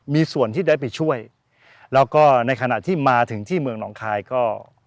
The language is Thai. มีส่วนที่ได้ไปช่วยแล้วก็ในขณะที่มาถึงที่เมืองหนองคายก็